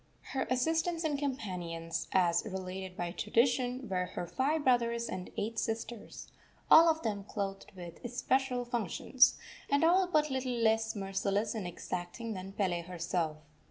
Her assistants and companions, as related by tradition, were her five brothers and eight sisters, all of them clothed with especial functions, and all but little less merciless and exacting than Pele herself.